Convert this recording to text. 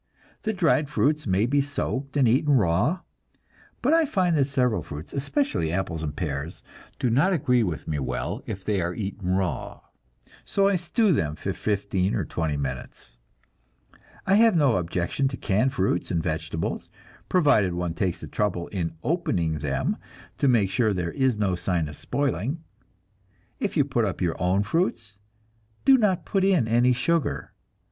The dried fruits may be soaked and eaten raw, but I find that several fruits, especially apples and pears, do not agree with me well if they are eaten raw, so I stew them for fifteen or twenty minutes. I have no objection to canned fruits and vegetables, provided one takes the trouble in opening them to make sure there is no sign of spoiling. If you put up your own fruits, do not put in any sugar.